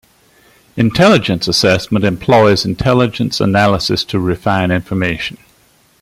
Intelligence assessment employs intelligence analysis to refine information.